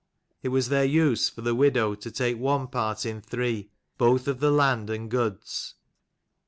It was their use for the widow to take one part in three, both of the land and goods.